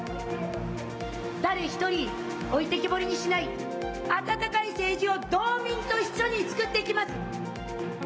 誰一人、置いてきぼりにしない、あたたかい政治を道民と一緒につくっていきます。